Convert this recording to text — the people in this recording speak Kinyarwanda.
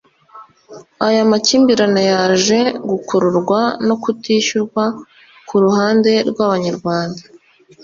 Aya makimbirane yaje gukururwa no kutishyurwa ku ruhande rw’abanyarwanda